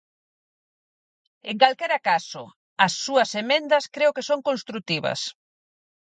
En calquera caso, as súas emendas creo que son construtivas.